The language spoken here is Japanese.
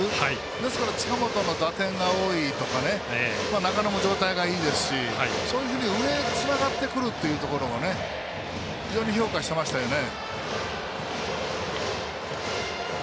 ですから近本の打点が多いとかね中野も状態がいいですしそういうふうに上につながってくるというところも非常に評価してましたよね。